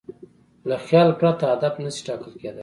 له خیال پرته هدف نهشي ټاکل کېدی.